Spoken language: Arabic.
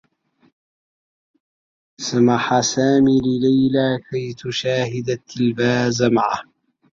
سمح سامي لليلى كي تشاهد التّلفاز معه.